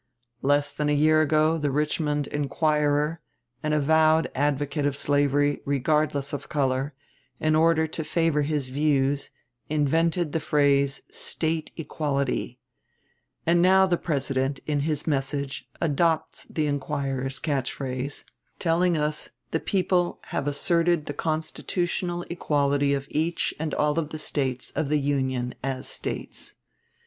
Less than a year ago the Richmond "Enquirer," an avowed advocate of slavery, regardless of color, in order to favor his views, invented the phrase "State equality," and now the President, in his message, adopts the "Enquirer's" catch phrase, telling us the people "have asserted the constitutional equality of each and all of the States of the Union as States."